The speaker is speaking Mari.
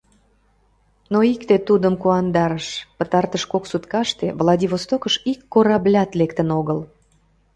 Но икте тудым куандарыш: пытартыш кок суткаште Владивостокыш ик кораблят лектын огыл.